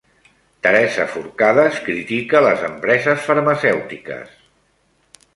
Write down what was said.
Teresa Forcades critica les empreses farmacèutiques.